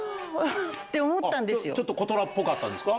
ちょっと子虎っぽかったですか？